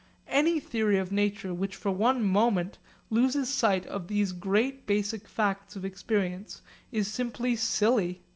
Any theory of nature which for one moment loses sight of these great basic facts of experience is simply silly.